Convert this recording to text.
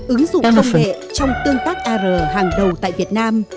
ứng dụng công nghệ trong tương tác ar hàng đầu tại việt nam